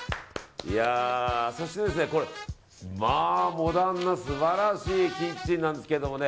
そして、モダンな素晴らしいキッチンなんですけどね。